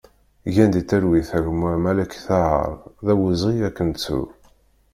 Gen di talwit a gma Malek Tahaṛ, d awezɣi ad k-nettu!